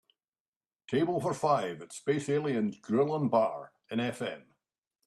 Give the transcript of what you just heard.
table for five at Space Aliens Grill & Bar in FM